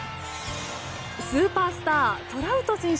スーパースター、トラウト選手。